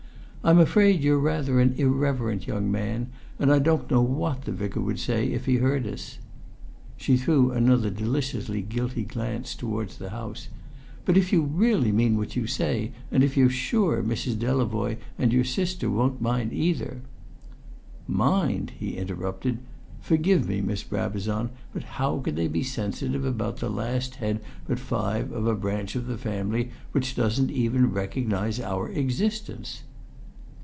"I'm afraid you're rather an irreverent young man, and I don't know what the Vicar would say if he heard us." She threw another deliciously guilty glance towards the house. "But if you really mean what you say, and you're sure Mrs. Delavoye and your sister won't mind either " "Mind!" he interrupted. "Forgive me, Miss Brabazon, but how could they be sensitive about the last head but five of a branch of the family which doesn't even recognise our existence?"